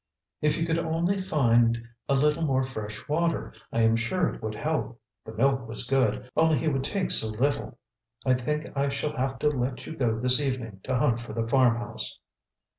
"If you could only find a little more fresh water, I am sure it would help. The milk was good, only he would take so little. I think I shall have to let you go this evening to hunt for the farm house."